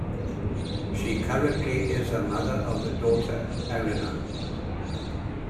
She currently is a mother of a daughter, Arena.